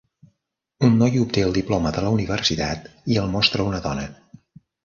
Un noi obté el diploma de la universitat i el mostra a una dona.